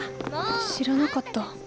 知らなかった。